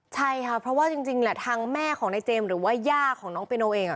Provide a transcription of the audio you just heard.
ใช่ค่ะเพราะว่าจริงแหละทางแม่ของนายเจมส์หรือว่าย่าของน้องเปียโนเอง